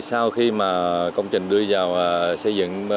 sau khi công trình đưa vào xây dựng